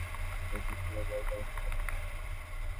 চার দিনের জলাবদ্ধতায় গতকাল থেকে খেতে রোপণ করা চারায় পচন ধরেছে।